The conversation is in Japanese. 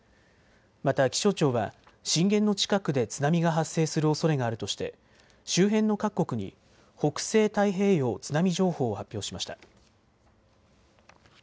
また気象庁は震源の近くで津波が発生するおそれがあるとして周辺の各国に北西太平洋津波情報を発表しました。